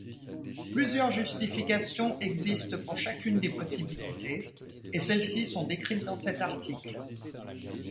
Plusieurs justifications existent pour chacune des possibilités, et celles-ci sont décrites dans cet article.